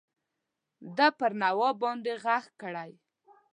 ده پر نواب باندي ږغ کړی.